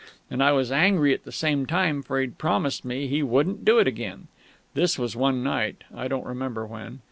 And I was angry at the same time, for he'd promised me he wouldn't do it again.... (This was one night, I don't remember when.)